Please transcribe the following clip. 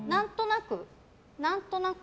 何となく。